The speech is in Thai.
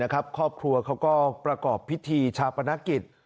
ครอบครัวเขาก็ประกอบพิธีชาปนกิจ